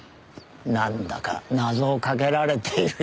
なんだか謎をかけられているようですな。